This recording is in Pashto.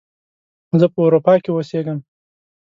زه په اروپا کې اوسیږم